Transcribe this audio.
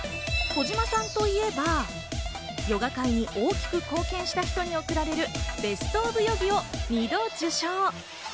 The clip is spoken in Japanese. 児嶋さんといえば、ヨガ界に大きく貢献した人に贈られるベスト・オブ・ヨギを２度受賞。